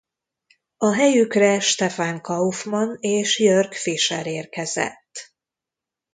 A helyükre Stefan Kaufmann és Jörg Fischer érkezett.